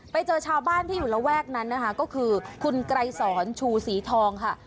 ไปเจอชาวบ้านที่อยู่ระแวกนั้นนะคะก็คือคุณไกรสอนชูสีทองค่ะ